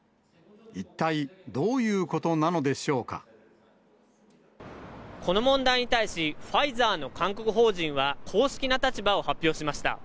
一体、どういうことなのでしょうこの問題に対し、ファイザーの韓国法人は公式な立場を発表しました。